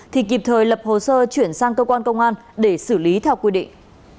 thì kịp thời lập hồ sơ chuyển sang cơ quan công an để xử lý theo quy định